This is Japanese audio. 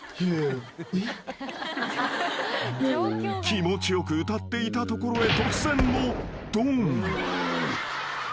［気持ちよく歌っていたところへ突然のドン］